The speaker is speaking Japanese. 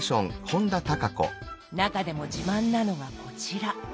なかでも自慢なのがこちら。